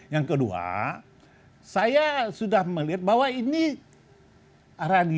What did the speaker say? yang kedua saya sudah melihat bahwa ini radius timenya untuk kondisi